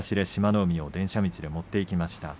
海を電車道で持っていきました。